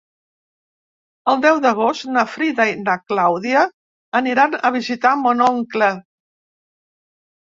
El deu d'agost na Frida i na Clàudia aniran a visitar mon oncle.